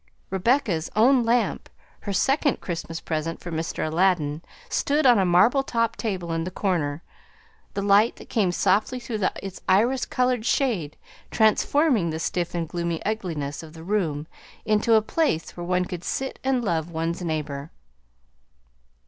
Rebecca's own lamp, her second Christmas present from Mr. Aladdin, stood on a marble topped table in the corner, the light that came softly through its rose colored shade transforming the stiff and gloomy ugliness of the room into a place where one could sit and love one's neighbor.